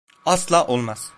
Asla olmaz.